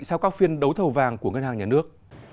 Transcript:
sau các phiên đấu thầu vàng của ngân hàng nhà nước